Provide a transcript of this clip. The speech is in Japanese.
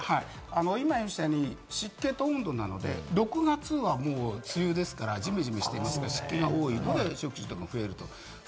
今、言いましたように湿気と温度なので、６月は梅雨なので、ジメジメして湿気が多いので食中毒が増える。